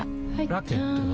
ラケットは？